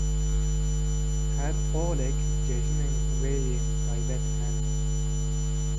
Her olek cejinên wê yên taybet hene.